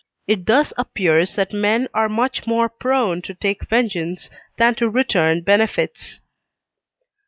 It thus appears that men are much more prone to take vengeance than to return benefits.